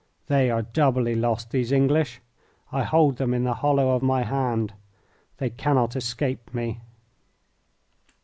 "They are doubly lost, these English. I hold them in the hollow of my hand. They cannot escape me."